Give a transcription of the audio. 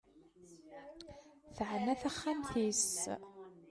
Teɛna taxxmat-is.